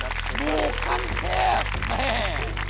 ลูกขั้นเทพแม่